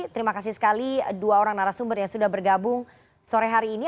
terima kasih sekali dua orang narasumber yang sudah bergabung sore hari ini